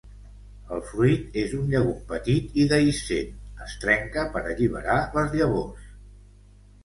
El fruit és un llegum petit i dehiscent, es trenca per alliberar les llavors.